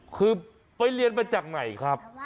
คือไปเรียนมาจากไหนครับ